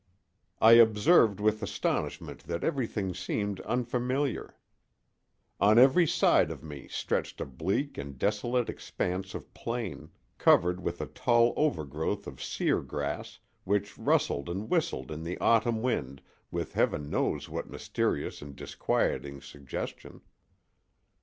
I observed with astonishment that everything seemed unfamiliar. On every side of me stretched a bleak and desolate expanse of plain, covered with a tall overgrowth of sere grass, which rustled and whistled in the autumn wind with heaven knows what mysterious and disquieting suggestion.